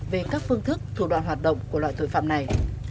về các phương thức thủ đoạn hoạt động của loại tội phạm này